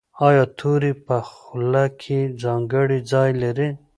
ایا توری په خوله کې ځانګړی ځای لري؟